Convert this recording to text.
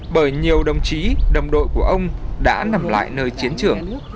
bởi nhiều đồng chí đồng đội của ông đã nằm lại nơi chiến trường